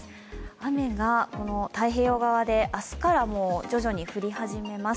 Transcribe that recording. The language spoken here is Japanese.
雨が太平洋側で明日から徐々に降り始めます。